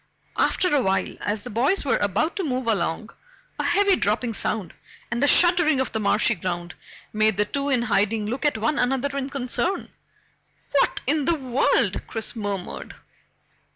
After a while, as the boys were about to move along, a heavy dropping sound, and the shuddering of the marshy ground, made the two in hiding look at one another in concern. "What in the world?" Chris murmured.